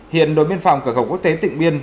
hiện đội biên phòng cửa khẩu quốc tế tịnh biên